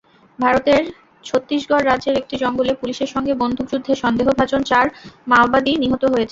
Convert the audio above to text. ভারতের ছত্তিশগড় রাজ্যের একটি জঙ্গলে পুলিশের সঙ্গে বন্দুকযুদ্ধে সন্দেহভাজন চার মাওবাদী নিহত হয়েছে।